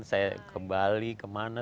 saya ke bali ke mana